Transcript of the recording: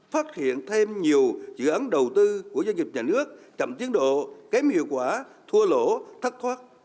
phát hiện thêm nhiều dự án đầu tư của doanh nghiệp nhà nước chậm tiến độ kém hiệu quả thua lỗ thất thoát